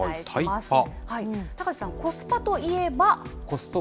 高瀬さん、コスパといえば。